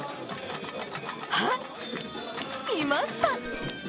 あっ、いました。